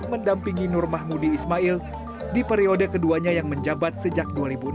mendampingi nur mahmudi ismail di periode keduanya yang menjabat sejak dua ribu enam belas